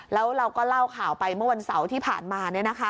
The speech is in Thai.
แล้วเราก็เล่าข่าวไปเมื่อวันเสาร์ที่ผ่านมา